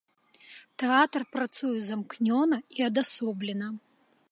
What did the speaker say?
Тэатр працуе замкнёна і адасоблена.